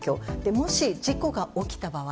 もし事故が起きた場合